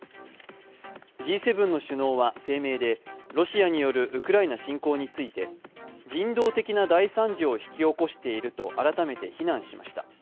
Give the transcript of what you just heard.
Ｇ７の首脳は声明で、ロシアによるウクライナ侵攻について、人道的な大惨事を引き起こしていると改めて非難しました。